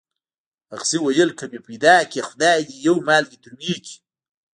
اغزي ویل که مې پیدا کړې خدای دې یو مالګی تروې کړي.